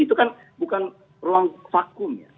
itu kan bukan ruang vakum ya